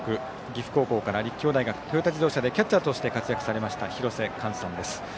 岐阜高校から立教大トヨタ自動車でキャッチャーとして活躍されました廣瀬寛さんです。